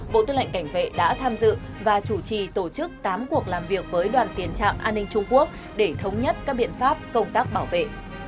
bộ tư lệnh cảnh vệ đã tham dự và chủ trì tổ chức tám cuộc làm việc với đoàn tiến trạm an ninh trung quốc để thống nhất các biện pháp công tác bảo vệ